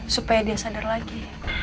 supaya dia sadar lagi